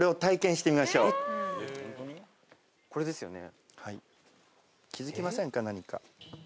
これですよね。